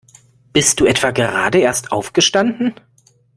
Bist du etwa gerade erst aufgestanden?